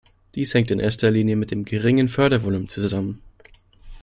Dies hängt in erster Linie mit dem geringen Fördervolumen zusammen.